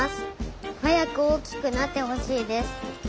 はやくおおきくなってほしいです。